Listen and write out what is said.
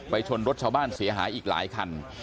ชนรถชาวบ้านเสียหายอีกหลายคัน